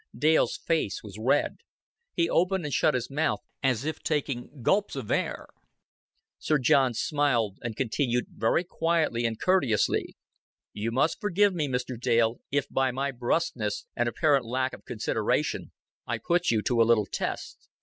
Dale's face was red. He opened and shut his mouth as if taking gulps of air. Sir John smiled, and continued very quietly and courteously. "You must forgive me, Mr. Dale, if by my bruskness and apparent lack of consideration I put you to a little test.